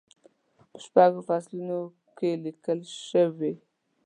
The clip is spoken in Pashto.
په شپږو فصلونو کې لیکل شوې.